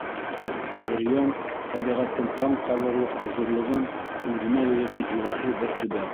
Бөрйән — тәбиғәттең таң ҡалырлыҡ хозурлығын үҙенә йыйған илаһи бер төбәк.